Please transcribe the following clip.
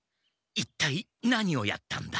一体何をやったんだ？